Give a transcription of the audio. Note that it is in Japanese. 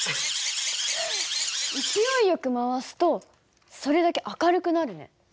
勢いよく回すとそれだけ明るくなるね。